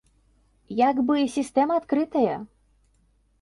Як бы, сістэма адкрытая!